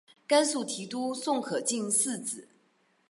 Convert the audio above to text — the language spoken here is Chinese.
甘肃提督宋可进嗣子。